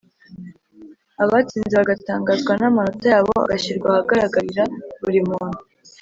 abatsinze bagatangazwa n amanota yabo agashyirwa ahagaragarira buri muntu